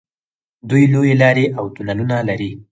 دوی لویې لارې او تونلونه لري.